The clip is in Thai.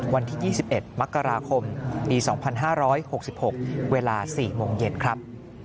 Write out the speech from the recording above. วันที่๒๑มักกราคมปี๒๕๖๖เวลา๑๖๐๐นครับ